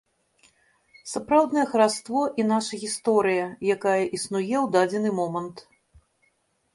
Сапраўднае хараство і наша гісторыя, якая існуе ў дадзены момант.